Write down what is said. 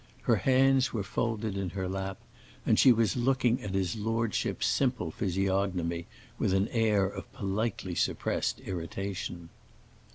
Her hands were folded in her lap, and she was looking at his lordship's simple physiognomy with an air of politely suppressed irritation.